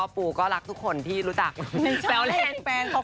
ปูก็รักทุกคนที่รู้จักแซวแรง